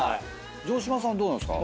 城島さんどうなんすか？